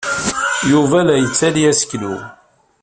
Yuba la yettaley aseklu.